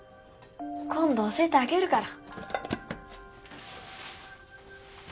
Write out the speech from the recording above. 今度教えてあげるから。